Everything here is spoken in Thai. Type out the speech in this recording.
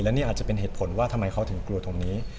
แล้วนี่อาจจะเป็นเหตุผลว่าทำไมเขาเกลียดกลัวตรงนี้